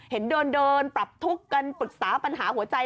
เห็นเดินปรับทุกข์กันปรึกษาปัญหาหัวใจ